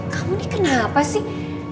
kamu ini kenapa sih